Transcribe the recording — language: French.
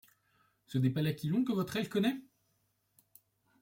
Ce n'est pas l'aquilon que votre aile connaît ?